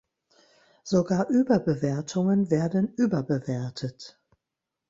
Sogar Überbewertungen werden überbewertet.